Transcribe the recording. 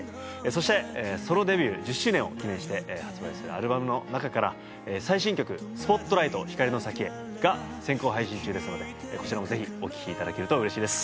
そしてソロデビュー１０周年を記念して発売するアルバムの中から最新曲「Ｓｐｏｔｌｉｇｈｔ光の先へ」が先行配信中ですのでこちらもぜひお聴きいただけると嬉しいです